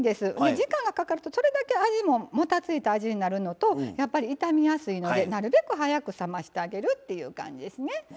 時間がかかるとそれだけ味ももたついた味になるのとやっぱり傷みやすいのでなるべく早く冷ましてあげるっていう感じですね。